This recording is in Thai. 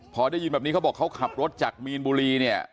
พอได้ยินแบบนี้เขาบอกเขาขับรถจากมีนบุรีเนี่ย